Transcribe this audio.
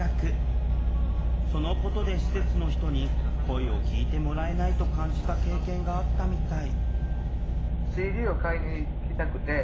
そのことで施設の人に声を聴いてもらえないと感じた経験があったみたい